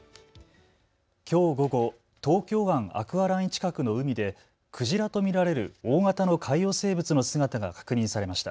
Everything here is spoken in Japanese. きょう午後、東京湾アクアライン近くの海でクジラと見られる大型の海洋生物の姿が確認されました。